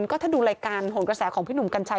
ก็ถ้าดูรายการโหนกระแสของพี่หนุ่มกัญชัย